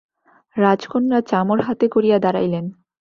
রাজকন্যা চামর হাতে করিয়া দাঁড়াইলেন।